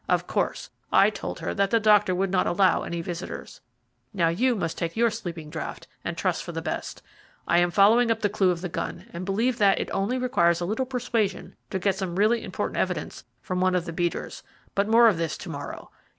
Of course, I told her that the doctor would not allow any visitors. Now you must take your sleeping draught, and trust for the best. I am following up the clue of the gun, and believe that it only requires a little persuasion to get some really important evidence from one of the beaters; but more of this to morrow.